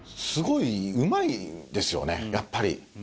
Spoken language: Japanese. すごいうまいですよねやっぱり。